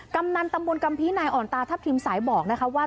กำนันตำบลกำพีนายอ่อนตาทัพทิมสายบอกนะคะว่า